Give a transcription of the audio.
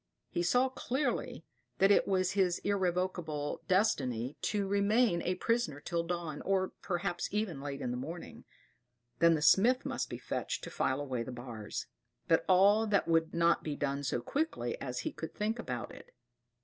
He saw clearly that it was his irrevocable destiny to remain a prisoner till dawn, or, perhaps, even late in the morning; then the smith must be fetched to file away the bars; but all that would not be done so quickly as he could think about it.